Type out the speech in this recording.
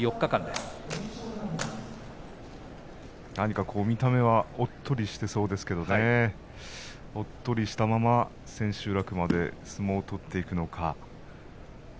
逸ノ城は見た目はおっとりしていそうですが、おっとりしたままで千秋楽まで相撲を取っていけるか。